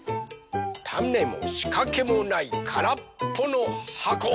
たねもしかけもないからっぽのはこ。